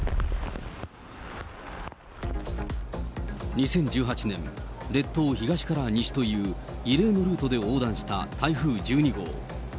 ２０１８年、列島を東から西という異例のルートで横断した台風１２号。